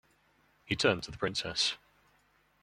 He turned to the Princess.